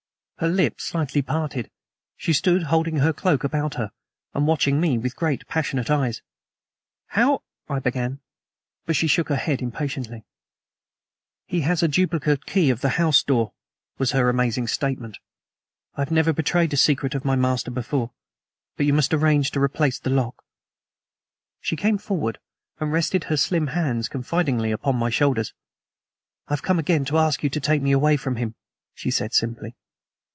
Her lips slightly parted, she stood, holding her cloak about her, and watching me with great passionate eyes. "How " I began. But she shook her head impatiently. "HE has a duplicate key of the house door," was her amazing statement. "I have never betrayed a secret of my master before, but you must arrange to replace the lock." She came forward and rested her slim hands confidingly upon my shoulders. "I have come again to ask you to take me away from him," she said simply.